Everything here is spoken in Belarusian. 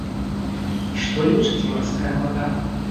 Што лечыць марская вада?